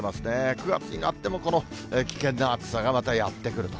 ９月になっても、この危険な暑さがまた、やって来ると。